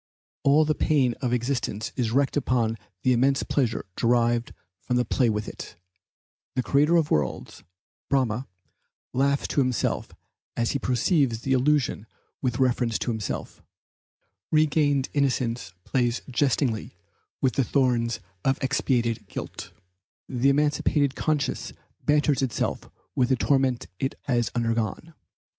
All the pain of existence is wrecked upon the immense pleasure derived from the play with it; the creator of worlds, Brahma, laughs to himself as he perceives the illusion with reference to himself; regained innocence plays jestingly with the thorns of expiated guilt; the emancipated conscience banters itself with the torments it has undergone.